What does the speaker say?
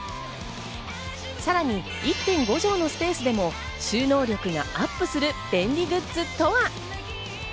さらに１．５畳のスペースでも収納力がアップする便利グッズとは？